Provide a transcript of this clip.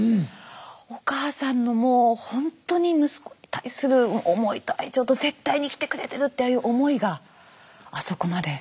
お母さんのもうほんとに息子に対する思いと愛情と絶対に生きてくれてるっていう思いがあそこまで。